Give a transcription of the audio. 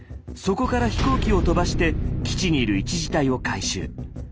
そこから飛行機を飛ばして基地にいる１次隊を回収。